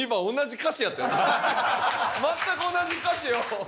全く同じ歌詞を。